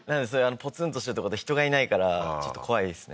ポツンとしてるとこって人がいないからちょっと怖いですね